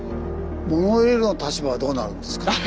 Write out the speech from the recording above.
モノレールの立場はどうなるんですか？